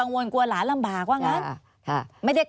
อันดับ๖๓๕จัดใช้วิจิตร